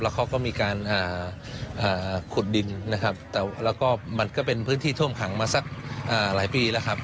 เขาก็มีการขุดดินนะครับแต่แล้วก็มันก็เป็นพื้นที่ท่วมขังมาสักหลายปีแล้วครับ